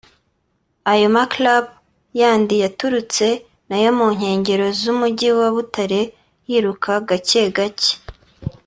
ayo maclub yandi yaturutse na yo mu nkengero z’umugi wa Butare yiruka gake gake